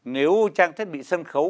nếu trang thiết bị sân khấu